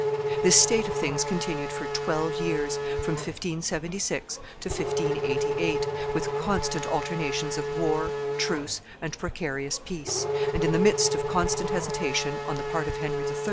This state of things continued for twelve years, from 1576 to 1588, with constant alternations of war, truce, and precarious peace, and in the midst of constant hesitation, on the part of Henry III.